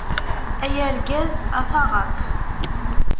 Ay argaz, a taɣaṭ!